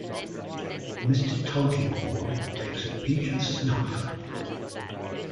Mr. Tulkinghorn takes a pinch of snuff.